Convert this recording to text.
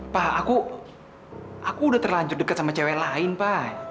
pak aku udah terlanjur dekat sama cewek lain pak